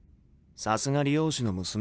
さすが理容師の娘。